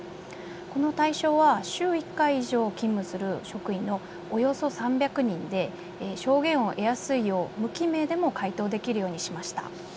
この対象は週１回以上勤務する職員のおよそ３００人で証言を得やすいよう無記名でも回答できるようにしました。